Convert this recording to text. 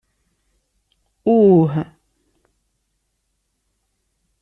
Uh!